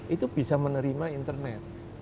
itu bisa menerima internet